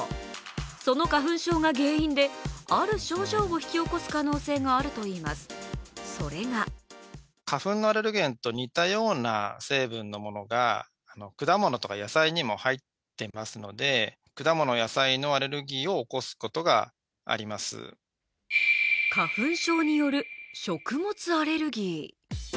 その花粉症が原因で、ある症状を引き起こす可能性があるといいます、それが花粉症による食物アレルギー。